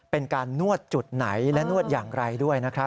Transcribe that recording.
เป็นการนวดจุดไหนและนวดอย่างไรด้วยนะครับ